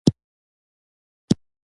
بیا مې تاته په میسج کړی